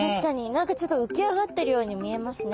何かちょっと浮き上がってるように見えますね。